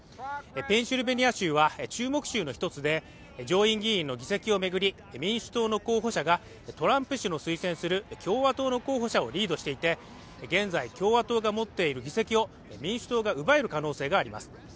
ペンシルベニアは注目州の１つで上院議員の議席を巡り民主党の候補者がトランプ氏の推薦する共和党の候補者をリードしていて現在共和党が持っている議席を民主党が奪える可能性があります